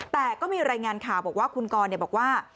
แต่ก็มีรายงานข่าวบอกว่าคุณกรบอกว่า